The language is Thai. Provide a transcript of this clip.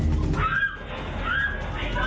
อันนี้คือคนเจ็บคนแรกเนี่ยนะคะ